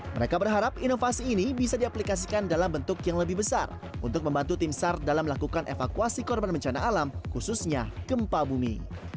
mereka berharap inovasi ini bisa diaplikasikan dalam bentuk yang lebih besar untuk membantu tim sar dalam melakukan evakuasi korban bencana alam khususnya gempa bumi